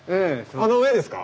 あの上ですか？